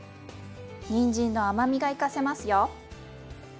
にんじんの甘みが生かせますよ。